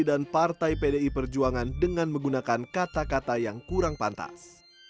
dan partai pdi perjuangan dengan menggunakan kata kata yang kurang pantas